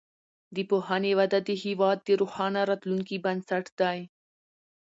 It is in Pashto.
د پوهنې وده د هیواد د روښانه راتلونکي بنسټ دی.